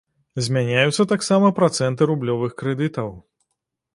Змяняюцца таксама працэнты рублёвых крэдытаў.